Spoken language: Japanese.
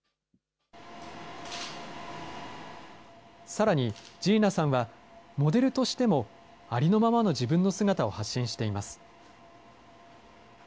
さらにＧｅｎａさんは、モデルとしてもありのままの自分の姿を発信しています。